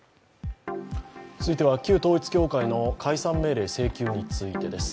続いては、旧統一教会の解散命令請求についてです。